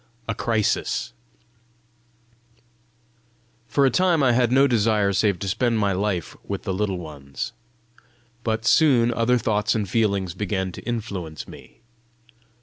A CRISIS For a time I had no desire save to spend my life with the Little Ones. But soon other thoughts and feelings began to influence me.